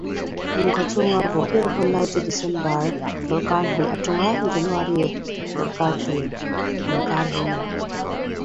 The coldest month is the second half of December and first half of January.